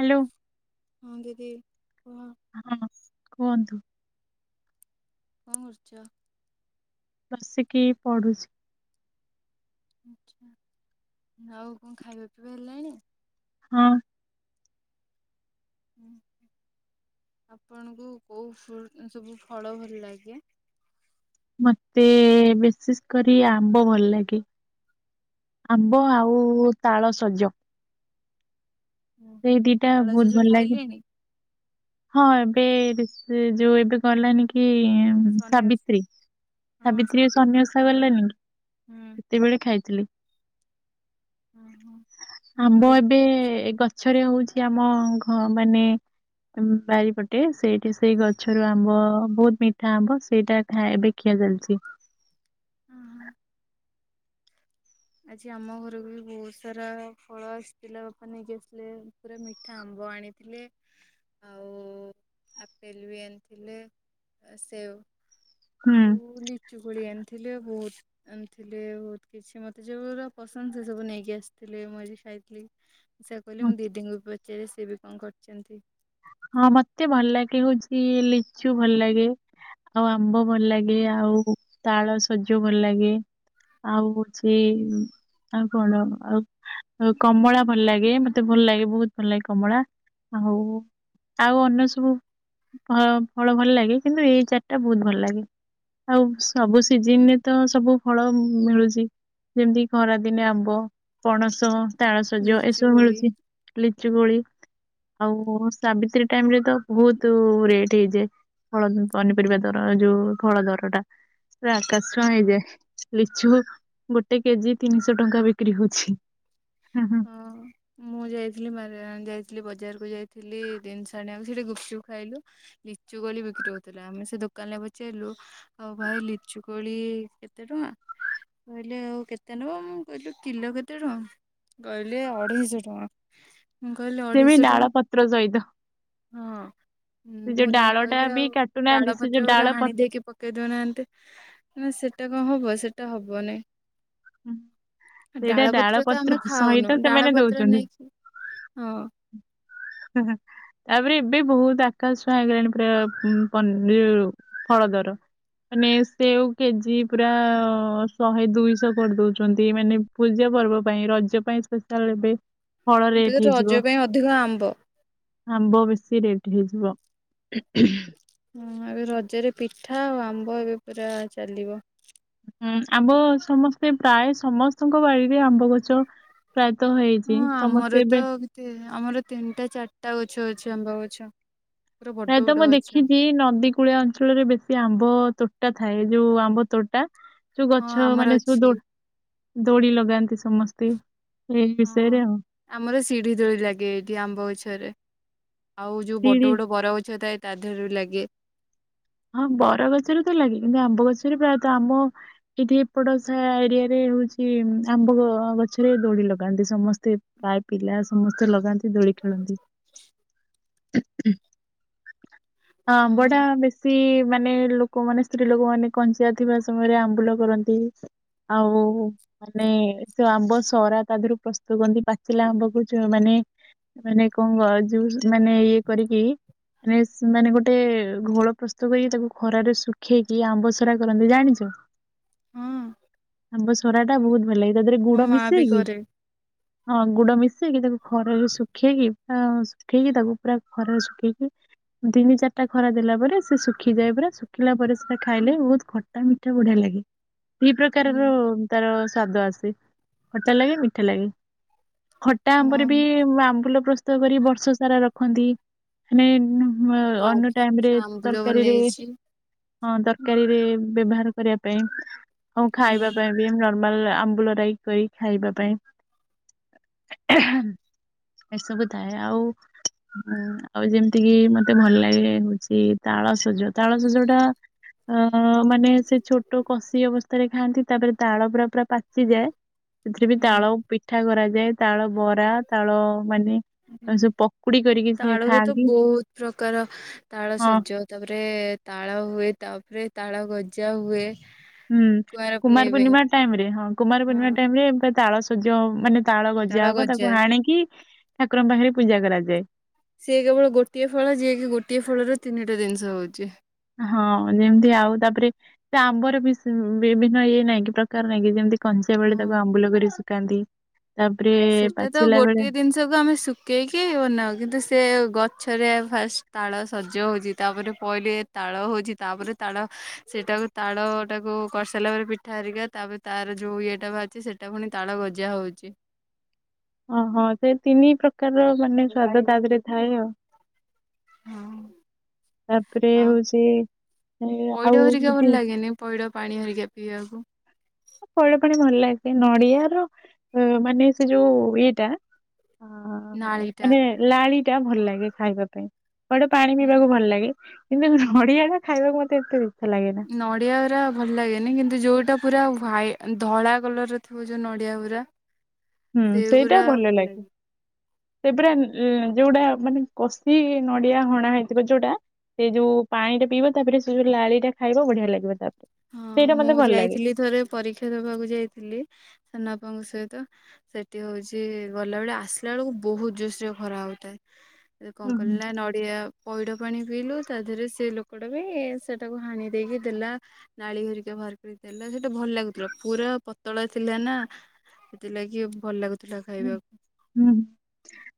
Hello. ହଁ ଦିଦି କୁହ? ହଁ କୁହନ୍ତୁ? କଣ କରୁଛ? ବସିକି ପଢ଼ୁଚି। ଆଛା ଆଉ କଣ ଖାଇବା ପିଇବା ହେଲାଣି? ହ। ହୁଁ ଆପଣଙ୍କୁ କୋଉ ଫ୍ରୁଟ ସବୁ ଫଳ ଭଲ ଲାଗେ? ମତେ ବିଶେଷ କରି ଆମ୍ବ ଭଲ ଲାଗେ। ଆମ୍ବ ଆଉ ତାଳ ସଜ। ସେଇ ଦିଟା ତାଳସଜ ବହୁତ ଭଲ ଲାଗେ। ଖାଇଲେଣି? ହଁ ଏବେ ରି ସେ ଯୋଉ ଏବେ ଗଲାନି କି ଶନି ଓଷା ସାବିତ୍ରୀ ହଁ ସାବିତ୍ରୀ ସନିଓଷା ଶନି ଓଷା ଗଲାନି କି? ହୁଁ ସେତିକି ବେଳେ ଖାଇଥିଲି ଓହୋ ଆମର ଆମ୍ବ ବି ଏବେ ଗଛରେ ହଉଚି ଆମ ଘ ମାନେ ବାରିପଟେ ସେଇଠି ସେଇ ଗଛରୁ ଆମ୍ବ ବହୁତ ମିଠା ଆମ୍ବ ସେଇଟା ଖାୟେ ଏବେ ଖିଆ ଚାଲିଚି। ଓହୋ। ଆଜି ଆମ ଘରକୁ ବି ବହୁତ ସାରା ଫଳ ଆସିଥିଲା ବାପା ନେଇକି ଆସିଲେ। ପୁରା ମିଠା ଆମ୍ବ ଆଣିଥିଲେ। ଆଉ ଆପେଲ ବି ଆଣିଥିଲେ ସେଓ ହୁଁ। ଆଉ ଲିଚୁ କୁଳି ଆଣିଥିଲ ବହୁତ ଆଣିଥିଲେ ବହୁତ କିଛି ମତେ ଯୋଉ ଗୁରା ପସନ୍ଦ ସେ ସବୁ ନେଇକି ଆସିଥିଲେ ମୁଁ ଆଜି ଖାଇଥିଲି। ସେୟା କହିଲେ ମୁଁ ଦିଦିଙ୍କୁ ବି ପଚାରି ସିଏ ବି କଣ କରିଚନ୍ତି? ହଁ ମତେ ଭଲ ଲାଗେ ହଉଚି ଲିଚୁ ଭଲ ଲାଗେ। ଆଉ ଆମ୍ବ ଭଲ ଲାଗେ ଆଉ ତାଳ ସଜ ଭଲ ଲାଗେ। ଆଉ ହଉଚି ଆଉ କଣ ଆଉ ଅ କମଳା ଭଲ ଲାଗେ ମତେ ଭଲ ଲାଗେ ବହୁତ ଭଲ ଲାଗେ କମଳା। ଆଉ ଆଉ ଅନ୍ୟ ସବୁ ଫଳ ଭଲ ଲାଗେ, କିନ୍ତୁ ଏଇ ଚାରିଟା ବହୁତ ଭଲ ଲାଗେ। ଆଉ ସବୁ ସିଜିନ ରେ ତ ସବୁ ଫଳ ମିଳୁଚି। ଯେମିତି ଖରାଦିନେ ଆମ୍ବ ପଣସ। ତାଳସଜ ଲିଚୁ ଏସବୁ କୋଳି ମିଳୁଚି। ଲିଚୁ କୋଳି ଆଉ ସାବିତ୍ରୀ ଟାଇମରେ ତ ବହୁତ ରେଟ୍ ହେଇଯାଏ। ଫଳ ପନିପରିବା ଦର ଯୋଉ ଫଳ ଦର ଟା ସେ ଆକାଶଛୁଆଁ ହଁ ହେଇଯାଏ। ଲିଚୁ ଗୋଟେ କେଜି ତିନିଶହ ଟଙ୍କା ବିକ୍ରି ହଉଚି। ହଁ। ମୁଁ ଯାଇଥିଲି ମାର ଯାଇଥିଲି ବଜାରକୁ ଯାଇଥିଲି ଜିନିଷ ଆଣିବାକୁ ସେଠି ଗୁପଚୁପ୍ ଖାଇଲୁ। ଲିଚୁ କୋଳି ବିକ୍ରି ହଉଥିଲା, ଆମେ ସେ ଦୋକାନରେ ପଚା ରିଲୁ ଆଉ ଭାଇ ଲିଚୁ କୋଳି କେତେ ଟଙ୍କା? କହିଲେ ଆଉ କେତେ ନବ ମୁ କହିଲି କିଲୋ କେତେ ଟଙ୍କା? କହିଲେ ଅଢେଇଶ ଟଙ୍କା ମୁଁ କହିଲି ସେ ବି ଅଢେଇଶ ଡାଳ ଟଙ୍କା ପତ୍ର ସହିତ ହଁ ସେ ଯୋଉ ମୁଁ ଡାଳ ତାଙ୍କୁ ଟା କହିଲି ବି ଆଉ କାଟୁନାହାନ୍ତି ଡାଳ ସେ ଯୋଉ ପତ୍ର ଡାଳ ପୁରା ହାଣି ପତ୍ର ଦେଇକି ପ କେଇଦେଉନାହାନ୍ତି ନା ସେଟା କଣ ହବ ସେଟା ହବନାଇଁ। ହୁଁ, ସେଇଟା ଡାଳ ପତ୍ର ତ ଆମେ ସହିତ ଖାଉନୁ ସେମାନେ ଡାଳ ପତ୍ର ଦଉଛନ୍ତି। ନେଇକି ହଁ। [inaudible] ତାପରେ ଏବେ ବହୁତ ଆକାଶ ଛୁଆଁ ହେଇଗଲାଣି ପୁରା ପନି ଫଳ ଦର। ମାନେ ସେଉ କେଜି ପୁରା ଶହେ ଦୁଇଶହ। କରିଦଉଛନ୍ତି ମାନେ ପୂଜା ପର୍ବ ପାଇଁ ରଜ ପାଇଁ ସ୍ପେଶାଲ ଏବେ ଫଳ ଏବେ ରେଟ୍ ତ ହେଇଯିବ ରଜ ପାଇଁ ଅଧିକ ଆମ୍ବ। ଆମ୍ବ ବେଶୀ ରେଟ ହେଇଯିବ। ହଁ ଏବେ ରଜରେ ପିଠା ଆଉ ଆମ୍ବ ଏବେ ପୁରା ଚାଲିବ। ହୁଁ ଆମ୍ବ ସମସ୍ତେ ପ୍ରାୟ ସମସ୍ତଙ୍କ ବାଡିରେ ଆମ୍ବ ଗଛ। ପ୍ରାୟତଃ ହେଇଛି ହଁ ଆମର ସମସ୍ତେ ତ ଏବେ ଆମର ତିନିଟା ଚାରିଟା ଗଛ ଅଛି ଆମ୍ବ ଗଛ। ପୁରା ବଡ ପ୍ରାଏତ ବଡ ମୁଁ ଗଛ ଦେଖିଛି ନଦୀକୁ କୁଳିଆ ଅଞ୍ଚଳରେ ବେଶୀ ଆମ୍ବ ତୋଟା ଥାଏ ଯୋଉ ଆମ୍ବ ତୋଟା ଯୋଉ ହଁ ଗଛ ଆମର ମାନେ ସବୁ ଅଛି ଦୋଡା ଦୋଳି ଲଗାନ୍ତି ସମସ୍ତେ ଏଇ ହଁ। ବିଷୟରେ ଆଉ। ଆମର ସିଢି ଦୋଳି ଲାଗେ ଏଇଠି ଆମ୍ବ ଗଛରେ ଆଉ ଯୋଉ ଶିଡି ବଡ ବଡ ବରଗଛ ଥାଏ। ତା ଦେହରେ ଲାଗେ। ହଁ ବରଗଛରେ ତ ଲାଗେ କିନ୍ତୁ ଆମ୍ବ ଗଛରେ ପ୍ରାୟତଃ ଆମ୍ୱ କିନ୍ତୁ ଏପେଟ ସାଆ ଏରିଆ ରେ ହଉଛି ଆମ୍ବ ଗଛରେ ଦୋଳି ଲଗାନ୍ତି ସମସ୍ତେ। ପ୍ରାୟ ପିଲା ସମସ୍ତେ ଲଗାନ୍ତି। ଦୋଳି ଖେଳନ୍ତି ଆମ୍ବ ହଁ ଟା ବେଶୀ କି ମାନେ ଲୋକ ମାନେ ସ୍ତ୍ରୀ ଲୋକ ମାନେ କଞ୍ଚା ଥିବା ସମୟରେ ଆମ୍ବୁଲ କରନ୍ତି। ଆଉ ମାନେ ସେ ଆମ୍ବ ସରା ତା ଦେହରୁ ପ୍ରସ୍ତୁତ କରନ୍ତି। ପାଚିଲା ଆମ୍ବକୁ ଯୋଉ ମାନେ ମାନେ କଣ ଯୋଉ ମାନେ ଇଏ କରିକି ସେମାନେ ଗୋଟେ ଘୋଳ ପ୍ର ତୁ କହିକି ତାକୁ ଖରାରେ ଶୁଖେଇକି ଆମ୍ବସରା କରନ୍ତି ଜାଣିଚୁ? ହଁ। ଆମ୍ବସଡାଟା ବହୁତ ଭଲ ଲାଗେ ତା ଦେହରେ ମୋ ଗୁଡ ମା ବି ମିଶେଇକି କରେ ହଁ ଗୁଡ ମିଶେଇକି ତାକୁ ଖରାରେ ଶୁଖେଇକି ଆଁ ଶୁଖେଇକି ତାକୁ ପୁରା ଖରାାରେ ଶୁଖେଇକି ତିନି ଚାରିଟା ଖରା ଦେଲା ପରେ। ସେ ଶୁଖିଯାଏ ପୁରା ଶୁଖିଲା ପରେ ସେଟା ଖାଇଲେ ବହୁତ ଖଟା ମିଠା ବଢିଆ ଲାଗେ। ଦି ପ୍ରକାରର ହୁଁ ତାର ସ୍ଵାଦ ଆସେ ଖଟା ଲାଗେ ମିଠା ଲାଗେ। ଖଟା ଆମ ଆମ୍ବରେ ବି ଆମ୍ବୁଲ ପ୍ରସ୍ତୁତ କରି ବର୍ଷ ସାରା ରଖନ୍ତି ମାନେ ହ ମୁଁ ଅନ୍ୟ ବି ଟାଇମି ରେ ଆମ୍ବୁଲ ତରକାରୀରେ ବନେଇଛି। ହଁ ତରକାରୀରେ ବ୍ୟବହାର କରିବା ପାଇଁ ହଁ ଖାଇବା ପାଇଁ ବି ନର୍ମାଲ ଆମ୍ବୁଲରାଇ କରି କି ଖାଇବା ପାଇଁ। ହ [unintelligible] ଏସବୁ ଥାଏ ଆଉ ଆଉ ଯେମିତିକି ମତେ ଭଲ ଲାଗେ ହଉଛି ତାଳସଜ ତାଳସଜ ଟା ଅ ମାନେ ସେ ଛୋଟ କଷି ଅବସ୍ଥାରେ ଖାଆନ୍ତି ତାପରେ ତାଳ ପୁରା ପୁରା ପାଚିଯାଏ। ସେଥିରେ ବି ତାଳ ହଁ ପିଠା କରାଯାଏ ତାଳ ବରା ତାଳ ମାନେ ଆଉ ସବୁ ପକୁଡି କରିକି ତାଳରେ ତ ଖାଆନ୍ତି। ବହୁତ ପ୍ରକାର ତାଳ ହଁ ସଜ ତାପରେ ତାଳ ହୁଏ ତାପରେ ତାଳ ଗଜା ହୁଏ। ହୁଁ କୁଆଁର ପୁନେଇ କୁମାର ପାଇଁ ପୂର୍ଣ୍ଣିମା ଟାଇମି ରେ ହଁ କୁମାର ପୂର୍ଣ୍ଣିମା ହଁ ଟାଇମି ରେ ଏମ ତାଳ ସଜ ମାନେ ତାଳ ଗଜା ହବ ତାକୁ ଆଣିକି ଠାକୁରଙ୍କ ପାଖରେ ପୂଜା କରାଯାଏ। ସିଏ କେବଳ ଗୋଟିଏ ଫଳ ଯିଏ କିି ଗୋଟିଏ ଫଳର ତିନିଟା ଜିନିଷ ହଉଛି। ହଁ ଯେମତି ଆଉ ତାପରେ ସେ ଆମ୍ବର ବି ବିଭିନ୍ନ ଇଏ ନାଇଁ କି ପ୍ରକାର ନାଇଁ କି ଯେମିତି କଞ୍ଚା ବେଳେ ହଁ ତାକୁ ଆମ୍ବୁଲ କରି ଶୁଖାନ୍ତି ତାପରେ ପାଚିଲା ବେଳେ ସବୁ ଆମେ ଶୁଖେଇକି ବନାଉ କିନ୍ତୁ ସେ ଗଛରେ ଫାଷ୍ଟ ତାଳ ସଜ ହଉଛି। ତାପରେ ପହିଲେ ତାଳ ହଉଛି ତାପରେ ତାଳ ସେଟାକୁ ତାଳ ଟାକୁ କରିସାରିଲା ପରେ ପି ପିଠା ହେରିକା ତାପରେ ତାର ଯୋଉ ଇଏଟା ବା ଅଛି ସେଟା ପୁଣି ତାଳ ଗଜା ହଉଛି। ଓହୋ ସେ ତିନି ପ୍ରକାରର ମାନେ ସ୍ଵାଦ ତା ଦେହରେ ଥାଏ ଆଉ। ହଁ ତାପରେ ଆଉ ହଉଛି ଆଉ ହୁତି ପଇଡ଼ ପାଣି ହରିକା ପିଇବାକୁ। ପଇଡ ପାଣି ଭଲ ଲାଗେ। ନଡିଆର ଅ ମାନେ ସେ ଯୋଉ ଇଏଟା ନାଳିଟା। ମାନେ ଲାଳି ଟା ଭଲ ଲାଗେ ଖାଇବା ପାଇଁ। ପଇଡ ପାଣି ପିଇବାକୁ ଭଲ ଲାଗେ। କିନ୍ତୁ ନଡିଆ ଟା ଖାଇବାକୁ ମତେ ଏତେ ବି ଲାଗେ ନା। ନଡିଆ ଗୁରା ଭଲ ଲାଗେନି। କିନ୍ତୁ ଯୋଉଟା ପୁରା ହ୍ୱାଇ ଧଳା କଲର ଥିବ ଯୋଉ ନଡିଆ ଗୁରା ହୁଁ ସେଇଟା ଭଲ ଲାଗେ। ସେପରା ଯୋଉଟା ମାନେ କଷି ନଡିଆ ହଣା ହେଇଥିବ ଯୋଉଟା ସେ ଯୋଉ ପାଣି ଟା ପିବ ତାପରେ ସେ ଯୋଉ ଲାଳି ଟା ଖାଇବା ବଢିଆ ଲାଗିବ ତାପ ହଁ ମୁଁ ଯାଇଥିଲି ଥରେ ପରୀକ୍ଷା ଦବାକୁ ଯାଇଥିଲି ସାନ ବାପାଙ୍କ ସହିତ। ସେଠି ହଉଛି ଗଲା ବେଳେ ଆସିଲା ବେଳକୁ ବହୁତ ଜୋରସରେ ଖରା ହଉଥାଏ। ହୁଁ କଣ କଲି ନା ନଡି ସେଆ ପଇଡ ପାଣି ପିଇଲୁ ତା ଦେହରେ ସେ ଲୋକଟା ବି ସେଟାକୁ ହାଣି ଦେଇକି ଦେଲା ନାଳି ଘରିକି ଭର କରି ଦେଲେ ସେଇଟା ଭଲ ଲାଗୁଥିଲା ପୁରା ପତଳା ଥିଲା ନା ସେଥିଲାଗି ଭଲ ଲାଗୁଥିଲା ହୁଁ ଖାଇବାକୁ। ହୁଁ।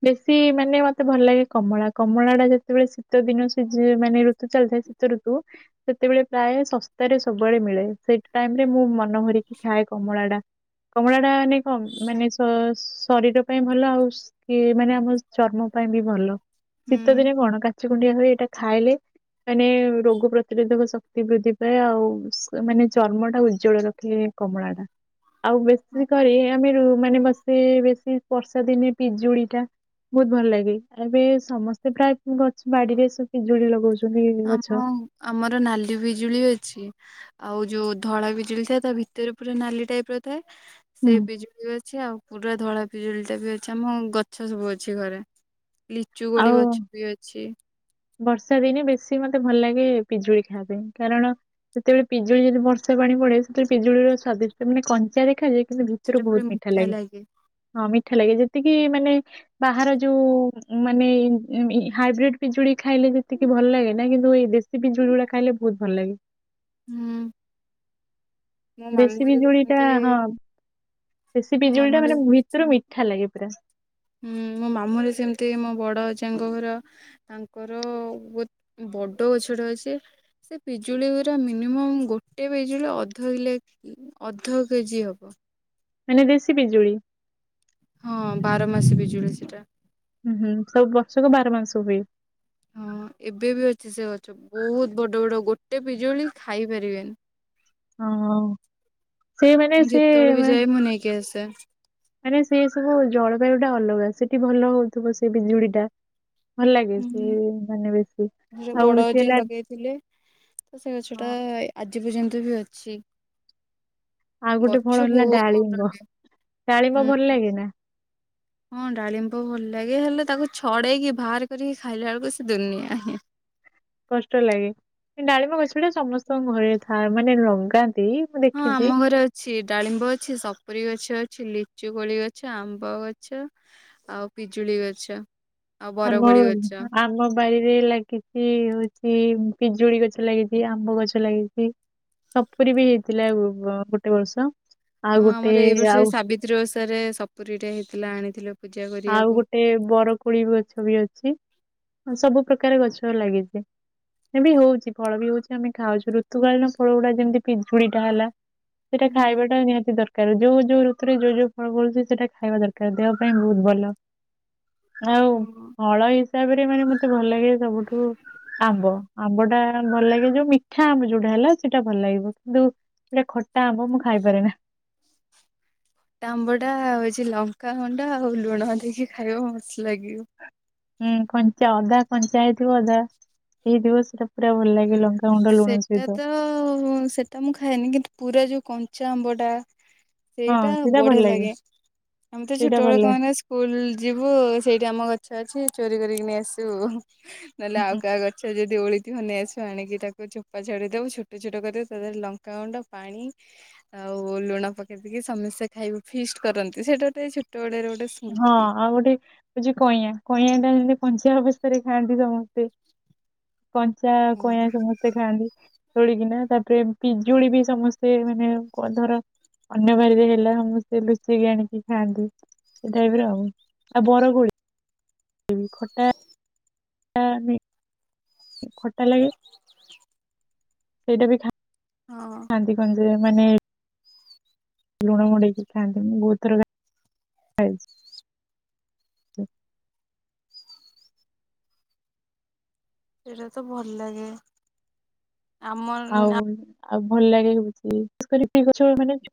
ବେଶୀ ମାନେ ମତେ ଭଲ ଲାଗେ କମଳା କମଳା ଟା ଯେତେବେଳେ ଶୀତ ଦିନ ସିଯି ମାନେ ଋତୁ ଚାଲିଥାଏ ତୂ ରୁ ତୁ ସେତେବେଳେ ପ୍ରାୟ ଶସ୍ତାରେ ସବୁବେଳେ ମିଳେ। ସେଇ ଟାଇମରେ ମୁଁ ମନ ଭରିକି ଖାଏ କମଳା ଟା। କମଳା ଟା ନେ କ ମାନେ ସ ସ ଶରୀର ପାଇଁ ଭଲ ଆଉ କିଏ ମାନେ ଆମ ଚର୍ମ ପାଇଁ ବି ଭଲ ଶୀତ ହୁଁ ଦିନେ କଣ କା ଛୁ କୁଣ୍ଡିଆ ହୋଇ ଏଇଟା ଖାଇଲେ ମାନେ ରୋଗ ପ୍ରତିରୋଧକ ଶକ୍ତି ବୃଦ୍ଧି ପାଏ, ଆଉ ମାନେ ଚର୍ମଟା ଉଜ୍ଜ୍ବଳ ର ଖେ କମଳାଟା ଆଉ ବେଶୀ କରି ଆମେ ମାନେ ବାସ୍ ସେ ବେଶୀ ବର୍ଷାଦିନେ ପିଜୁଳିଟା ବହୁତ ଭଲ ଲାଗେ। ଏବେ ସମସ୍ତେ ପ୍ରାୟ ଗଛ ବାଡିରେ ପିଜୁଳି ଲଗଉଛ ଆମ ଆମର ନାଲି ପିଜୁଳି ଅଛି। ଆଉ ଯୋଉ ଧଳା ପିଜୁଳି ଥାଏ, ତା ଭିତରେ ପୁରା ନାଲି ଟାଇପର ଥାଏ। ହୁଁ ସେଇ ପିଜୁଳି ବି ଅଛି, ଆଉ ପୁରା ଧଳା ପିଜୁଳିଟା ବି ଅଛି, ଆମ ଗଛ ସବୁ ଅଛି ଘରେ। ଲିଚୁକୋଳି ଗଛ ବି ଅଛି। ବର୍ଷାଦିନେ ବେଶୀ ମତେ ଭଲ ଲାଗେ ପିଜୁଳି ଖାଇବା ପାଇଁ, କାରଣ ସେତେବେଳେ ପିଜୁଳି ଯଦି ବର୍ଷା ପାଣି ପଡେ, ସେତେବେଳେ ପିଜୁଳିର ସ୍ଵାଦିଷ୍ଟ ମାନେ କଞ୍ଚା ଦେଖାଯାଏ କିନ୍ତୁ ଭିତରୁ ବହୁତ ମିଠା ଲାଗେ, ହଁ ମିଠା ଲାଗେ ଯେତିକି ମାନେ ବାହାର ଯୋଉ ମାନେ ଏମ୍ ହାଇବ୍ରିଡ ପିଜୁଳି ଖାଇଲେ ଯେତିକି ଭଲ ଲାଗେ ନା କିନ୍ତୁ ଏଇ ଦେଶୀ ପିଜୁଳିଗୁଡା ଖାଇଲେ ବହୁତ ଭଲ ଲାଗେ। ହୁଁ। ମୋ ମାମୁଁ ଦେଶୀ ଘରେ ବି ବିଜୁଳିଟା ସେମିତି ହଁ ଦେଶୀ ମୋ ମାମୁଁ ପିଜୁଳିଟା ଘରେ ମାନେ ଭିତରୁ ମିଠା ଲାଗେ ପୁରା। ହୁଁ ମୋ ମାମୁଁରେ ସେମିତି ମୋ ବଡଅଜାଙ୍କ ଘର। ତାଙ୍କର ବୋଉତ୍ ବଡ ଗଛଟେ ଅଛି। ସେ ପିଜୁଳି ଗୁରା ମିନିମମ୍ ଗୋଟେ ପିଜୁଳି ଅଧ କିଲେ ଅଧ କେଜି ହବ। ମାନେ ଦେଶୀ ପିଜୁଳି। ହଁ ବାରମାସି ପିଜୁଳି ସେଟା। ହୁଁ ହୁଁ ସବୁ ବର୍ଷକ ବାରମାସ ହୁଏ। ହଁ ଏବେ ବି ଅଛି, ସେ ଗଛ ବହୁତ ବଡ ବଡ ଗୋଟେ ପିଜୁଳି ଖାଇ ପାରିବେନି। ହଁ ସେ ମାନେ ମୁଁ ‍ଯେତେବେଳେ ବି ଯାଏ ମୁଁ ନେଇକି ଆସେ। ଆରେ ସେ ସବୁ ଜଳବାୟୁଟା ଅଲଗା, ସେଠି ଭଲ ହଉଥିବ ସେ ବିଜୁଳିଟା। ଭଲ ଲାଗେ, ସେ ମାନେ ବେଶୀ ଆଉ ବଡ ସେ ଅଜା ହେଲା ଲଗେଇଥିଲେ ତ ସେ ଗଛ ହଁ ଟା ଆଜି ପର୍ଯ୍ୟନ୍ତ ବି ଅଛି। ଆଉ ଗୋଟେ ଫଳ ଗଛ ହେଲା ବହୁତ ଡାଳିମ୍ବ ବଡ଼ ଡାଳିମ୍ବ ହୁଏ ଭଲ ହୁଁ। ଲାଗେ ନା ହଁ ଡାଳିମ୍ବ ଭଲ ଲାଗେ ହେଲେ ତାକୁ ଛଡେଇକି ବାହାର କରିକି ଖାଇଲା ବେଳକୁ ସେ ଦୁନିଆ ହିଁ। କଷ୍ଟ ଲାଗେ କିନ୍ତୁ ଡାଳିମ୍ୱ ଗଛଟା ସମସ୍ତଙ୍କ ଘରେ ଥାଏ ମାନେ ଲଗାନ୍ତି। ମୁଁ ହଁ ଦେଖିଛି ଆମ ଘରେ ଅ ଅଛି ଡାଳିମ୍ବ ଅଛି, ସପୁରୀ ଗଛ ଅଛି, ଲିଚୁକୋଳି ଗଛ, ଆମ୍ବ ଗଛ। ଆଉ ପିଜୁଳି ଗଛ ଆଉ ଆମ ବରକୋଳି ଗଛ। ଆମ ବାରିରେ ଲାଗିଛି ହୋଉଛି ପିଜୁଳି ଗଛ ଲାଗିଛି, ଆମ୍ବ ଗଛ ଲାଗିଛି। ସପୁରୀ ବି ହେଇଥିଲା ଗୋଟେ ବର୍ଷ। ଆଉ ହଁ ଗୋଟେ ଆମର ଏଇ ବର୍ଷ ଏ ଆଉ ସାବିତ୍ରୀ ଓଷାରେ ସପୁରୀଟା ହେଇଥିଲା ଆଣିଥିଲୁ। ପୂଜା ଆଉ କରିବାକୁ। ଗୋଟେ ବର କୋଳି ଗଛ ବି ଅଛି ସବୁ ପ୍ରକାର ଗଛ ଲାଗିଛି। ଏବେ ବି ହଉଛି ଫଳ ବି ହଉଛି ଆମେ ଖାଉଛୁ ଋତୁକାଳୀନ ଫଳ ଗୁଡା ଯେମିତି ପିଜୁଳିଟା ହେଲା। ସେଇଟା ହୁଁ। ଖାଇବାଟା ନିହାତି ଦରକା ର ଯୋଉ ଯୋଉ ଋତୁରେ ଯୋଉ ଯୋଉ ଫଳ ଫଳୁଛି ସେଇଟା ଖାଇବା ଦରକାର ଦେହ ପାଇଁ ବହୁତ ଭଲ। ଆଉ ହଁ ଫଳ ହିସାବରେ ମାନେ ମତେ ଭଲ ଲାଗେ ସବୁଠୁ ଆମ୍ବ ଆମ୍ବଟା ଭଲ ଲାଗେ, ଯୋଉ ମିଠା ଆମ୍ବ ଯୋଉଟା ହେଲା ସେଇଟା ଭଲ ଲାଗିବ କିନ୍ତୁ ସେଟେ ଖଟା ଆମ୍ବ ମୁଁ ଖାଇପାରେ ନା। ଖଟା ଆମ୍ବଟା ହେଉଛି ଲଙ୍କାଗୁଣ୍ଡା ଆଉ ଲୁଣ ଦେଇକି ଖାଇବା ମସ୍ତ ଲାଗିବ। ହୁଁ କଞ୍ଚା ଅଧା କଞ୍ଚା ହେଇଥିବ ଅଧା ହେଇଥିବ ସେଟା ପୁରା ଭଲ ଲାଗିବ। ଲଙ୍କା ଗୁଣ୍ଡ ଲୁଣ ସେଟା ସହିତ। ତ ସେଟା ମୁଁ ଖାଏନି କିନ୍ତୁ ପୁରା ଯୋଉ କଞ୍ଚା ଆମ୍ବଟା ସେଇଟା ବଢିଆ ଲାଗେ ଆମେ ତ ଛୋଟ ସେଇଟା ବେଳ ଭଲ ଲାଗେ। କଣ ସ୍କୁଲ ଯିବୁ ସେଇଠି ଆମ ଗଛ ଅଛି, ଚୋରି କରିକି ନେଇ ଆସିବୁ ନହେଲେ ଆଉ କାହା ଗ ଛ ଯଦି ଓହଳିଥିବ ନେଆସି ଆଣିକି ତାକୁ ଚୋପା ଛାଡେଇ ଦବୁ ଛୋଟ ଛୋଟ କରି ଦବୁ ତା ଦେହରେ ଲଙ୍କାଗୁଣ୍ଡ ପାଣି ଆଉ ଲୁଣ ପକେଇ ଦେଇକି ସମସ୍ତେ ଖାଇବୁ ଫିଷ୍ଟ କରନ୍ତି ସେଇଟା ତ ଏଇ ଛୋଟ ବେଳର ଗୋଟେ ସୁ ହଁ ଆଉ ଗୋଟେ ହେଉଛି କଇଁଆଁ କଇଁଆଁଟା ଯେମିତି କଞ୍ଚା ଅବସ୍ଥାରେ ଖାଆନ୍ତି ସମସ୍ତେ। କଞ୍ଚା ହଁ କଇଁଆଁ ସମସ୍ତେ ଖାଆନ୍ତି ତୋଳିକିନା ତାପରେ ପିଜୁଳି ବି ସମସ୍ତେ ସେ ମାନେ କ ଧର ଅନ୍ୟ ବାଡିରେ ହେଲା ସମସ୍ତେ ମିଶିକି ଆଣିକି ଖାଆନ୍ତି। ସେଇଟାଇପିର ଆଉ ଆଉ ବରକୋଳି ଉଁ ଖଟା ଖଟା ଆମେ ଏ ଖଟା ଲାଗେ। ସେଇଟା ବି ଖା ହଁ। କ ଯେ ମାନେ ଲୁଣ ମଡେଇକି ଖାଆନ୍ତି ମୁଁ ବହୁଥର ଖା ଖାଇଚି। ହୁଁ ସେଇଟା ତ ଭଲ ଲାଗେ। ଆମର ଆଉ ଆଉ ଭଲ ଲାଗେ ଗଛ ମାନେ [inaudible]